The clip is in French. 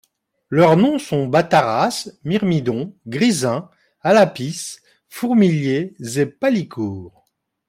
Leurs noms sont bataras, myrmidons, grisins, alapis, fourmiliers et palicours.